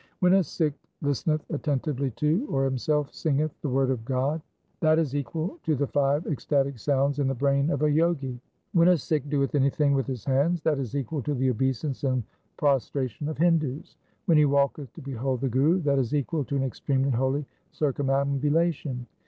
When a Sikh listeneth attentively to, or himself singeth, the word of God, that is equal to the five ecstatic sounds in the brain of a Jogi. When a Sikh doeth anything with his hands, that is equal to the obeisance and prostration of Hindus. When he walketh to behold the Guru, that is equal to an extremely holy circumambulation.